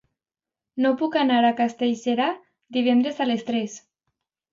Com puc anar a Castellserà divendres a les tres?